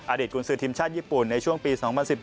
อดีตกุญสือทีมชาติญี่ปุ่นในช่วงปี๒๐๑๘